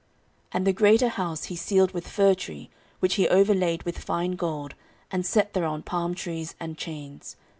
14:003:005 And the greater house he cieled with fir tree, which he overlaid with fine gold, and set thereon palm trees and chains.